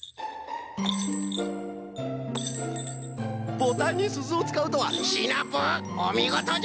ボタンにすずをつかうとはシナプーおみごとじゃ！